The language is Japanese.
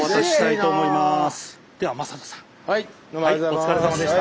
お疲れさまでした。